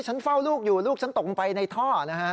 เฝ้าลูกอยู่ลูกฉันตกลงไปในท่อนะฮะ